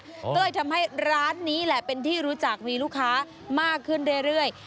ก็เลยทำให้ร้านนี้แหละเป็นที่รู้จักมีลูกค้ามากขึ้นเรื่อย